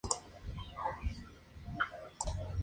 Es alimentado por las aguas del río Derwent.